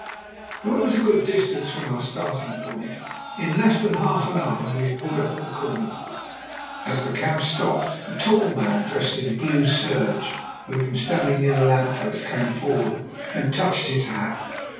Though it was a good distance from our starting point, in less than half an hour we had pulled up at the corner. As the cab stopped, a tall man, dressed in blue serge, who had been standing near the lamp post, came forward and touched his hat.